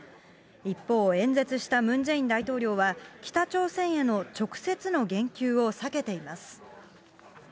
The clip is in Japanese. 一方、演説したムン・ジェイン大統領は、北朝鮮への直接の言及を避けています。